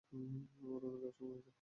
রওনা দেওয়ার সময় হয়েছে!